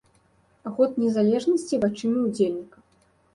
Год незалежнасці вачыма ўдзельніка.